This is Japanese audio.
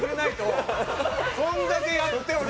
こんだけやって俺ら。